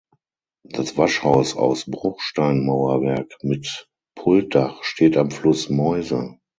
Das Waschhaus aus Bruchsteinmauerwerk mit Pultdach steht am Fluss Meuse.